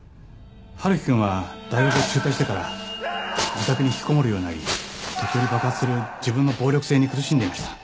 春樹くんは大学を中退してから自宅に引きこもるようになり時折爆発する自分の暴力性に苦しんでいました。